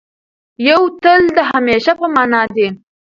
یو تل د همېشه په مانا دی.